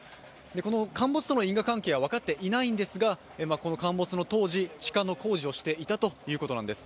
この陥没との因果関係は分かってはいないんですが陥没の当時、地下の工事をしていたということなんです。